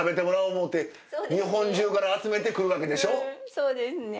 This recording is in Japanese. そうですね。